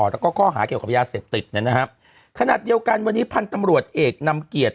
แล้วก็ข้อหาเกี่ยวกับยาเสพติดเนี่ยนะครับขณะเดียวกันวันนี้พันธุ์ตำรวจเอกนำเกียรติ